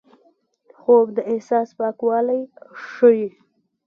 خوب د احساس پاکوالی ښيي